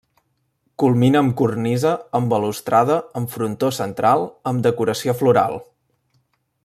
Culmina amb cornisa amb balustrada amb frontó central amb decoració floral.